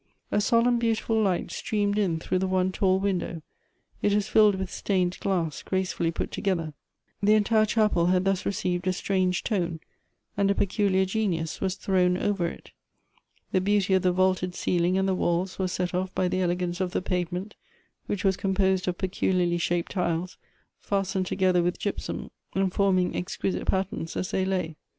A solemn beautiful light streamed in through the one tall window. It was filled with stained glass, gracefully put together. The entire chapel had thus received a strange tone, and a peculiar genius was thrown over it. The beauty of the vaulted ceiling and the walls was set off by the elegance of the pavement, which was composed of peculiarly shaped tiles, fastened together with gypsum, and forming exquisite patterns as they lay.